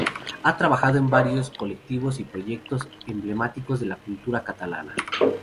Ha trabajado en varios colectivos y proyectos emblemáticos de la cultura catalana.